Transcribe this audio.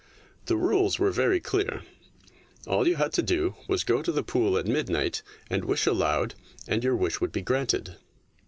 The rules were very clear. All you had to do was to go to the pool at midnight and wish aloud, and your wish would be granted.